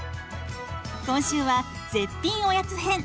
今週は絶品おやつ編。